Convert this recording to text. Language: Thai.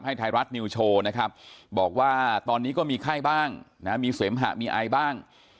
ไทยรัฐนิวโชว์นะครับบอกว่าตอนนี้ก็มีไข้บ้างนะมีเสมหะมีไอบ้าง